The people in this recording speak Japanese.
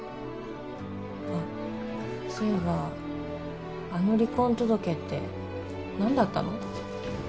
あそういえばあの離婚届って何だったの？